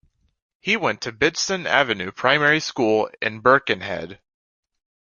He went to Bidston Avenue Primary School in Birkenhead.